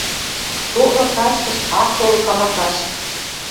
Тотлы качкыш ак тол камакаш...